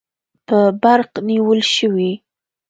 په برق نیول شوي